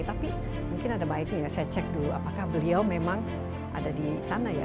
tapi mungkin ada baiknya ya saya cek dulu apakah beliau memang ada di sana ya